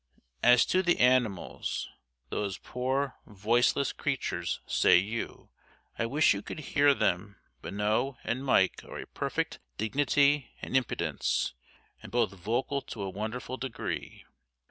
As to the animals "those poor voiceless creatures," say you. I wish you could hear them. Bonneau and Mike are a perfect Dignity and Impudence; and both vocal to a wonderful degree.